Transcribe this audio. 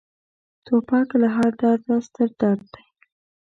توپک له هر درده ستر درد دی.